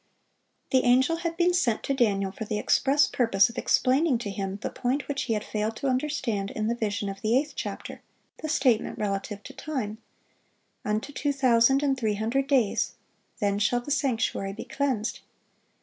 The angel had been sent to Daniel for the express purpose of explaining to him the point which he had failed to understand in the vision of the eighth chapter, the statement relative to time,—"Unto two thousand and three hundred days; then shall the sanctuary be cleansed."